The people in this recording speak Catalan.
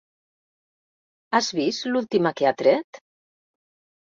Has vist l'última que ha tret?